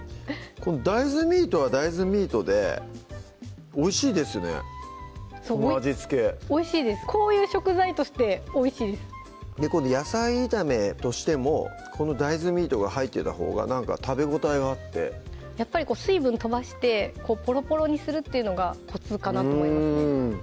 この大豆ミートは大豆ミートでおいしいですねこの味付けおいしいですこういう食材としておいしいです野菜炒めとしてもこの大豆ミートが入ってたほうがなんか食べ応えがあってやっぱり水分飛ばしてポロポロにするっていうのがコツかなと思いますね